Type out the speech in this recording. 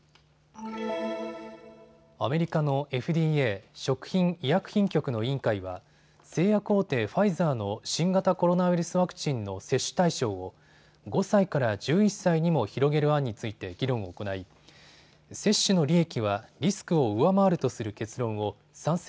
アメリカのＦＤＡ・食品医薬品局の委員会は製薬大手ファイザーの新型コロナウイルスワクチンの接種対象を５歳から１１歳にも広げる案について議論を行い接種の利益はリスクを上回るとする結論を賛成